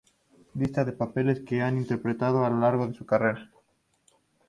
Lista de los papeles que ha interpretado a lo largo de su carrera.